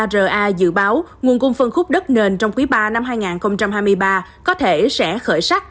ra dự báo nguồn cung phân khúc đất nền trong quý ba năm hai nghìn hai mươi ba có thể sẽ khởi sắc